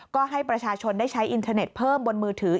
ก็ให้ประชาชนได้ใช้อินเทอร์เน็ตเพิ่มบนมือถือ